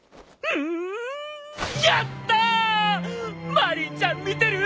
マリンちゃん見てる！？